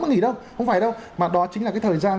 không nghỉ đâu không phải đâu mà đó chính là cái thời gian